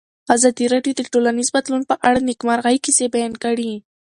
ازادي راډیو د ټولنیز بدلون په اړه د نېکمرغۍ کیسې بیان کړې.